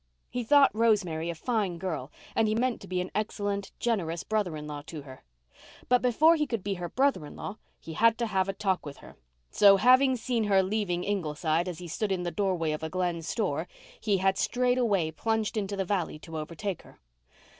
He thought Rosemary a fine girl, and he meant to be an excellent, generous brother in law to her. But before he could be her brother in law he had to have a talk with her, so, having seen her leaving Ingleside as he stood in the doorway of a Glen store, he had straightway plunged into the valley to overtake her.